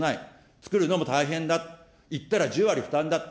作るのも大変だ、いったら１０割負担だと。